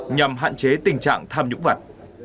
nhằm hạn chế tình trạng tham nhũng vật